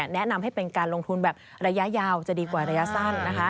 แนะนำให้เป็นการลงทุนแบบระยะยาวจะดีกว่าระยะสั้นนะคะ